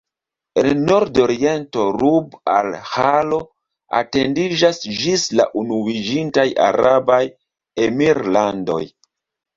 En nordoriento Rub-al-Ĥalo etendiĝas ĝis la Unuiĝintaj Arabaj Emirlandoj.